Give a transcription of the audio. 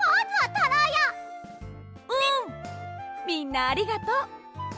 みんなありがとう。